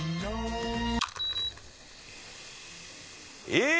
「えっ！？」